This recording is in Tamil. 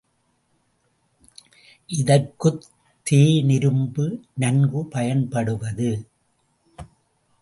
இதற்குத் தேனிரும்பு நன்கு பயன்படுவது.